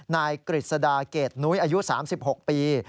นายกฤษดาเกรดนุ้ยอายุ๓๖ปี